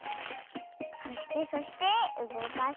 そしてそしてうごかすと。